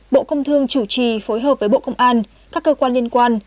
bộ công thương chủ trì phối hợp với bộ công an các cơ quan liên quan